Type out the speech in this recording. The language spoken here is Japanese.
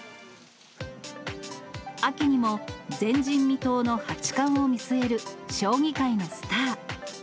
秋にも前人未到の八冠を見据える将棋界のスター。